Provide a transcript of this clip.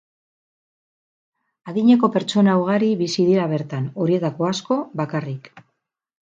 Adineko pertsona ugari bizi dira bertan, horietako asko bakarrik.